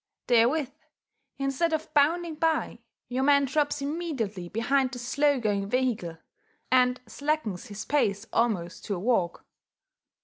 Therewith, instead of bounding by, your man drops immediately behind the slow going vehicle, and slackens his pace almost to a walk.